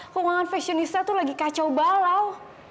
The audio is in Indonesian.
keuangan fashionisnya tuh lagi kacau balau